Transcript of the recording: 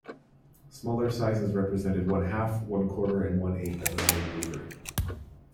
Smaller sizes represented one-half, one-quarter, and one-eighth of a Made-Beaver.